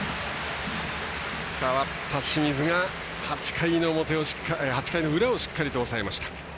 代わった清水が８回の裏をしっかりと抑えました。